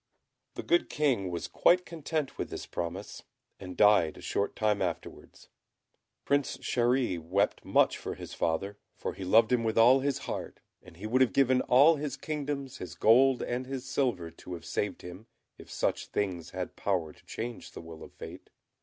The good King was quite content with this promise, and died a short time afterwards. Prince Chéri wept much for his father, for he loved him with all his heart, and he would have given all his kingdoms, his gold, and his silver, to have saved him, if such things had power to change the will of fate.